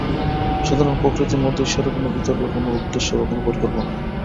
সুতরাং প্রকৃতির মধ্যে ঈশ্বরের কোন বিতর্ক, কোন উদ্দেশ্য বা কোন পরিকল্পনা নাই।